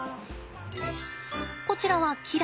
こちらはキラ。